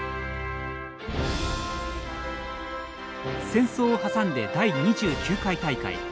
戦争を挟んで第２９回大会。